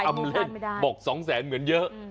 อำเล่นบอกสองแสนเหมือนเยอะ